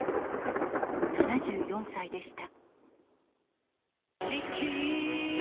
７４歳でした。